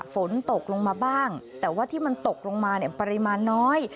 ฝนตกลงมาบ้างแต่ว่าที่มันตกลงมาเนี่ยปริมาณน้อย